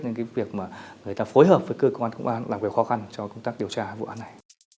nên cái việc mà người ta phối hợp với cơ quan công an là về khó khăn cho công tác điều tra vụ án này